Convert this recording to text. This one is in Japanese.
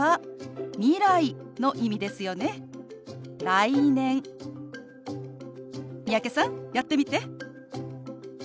三宅さんやってみて。